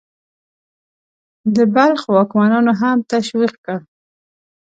د بلخ واکمنانو هم تشویق کړ.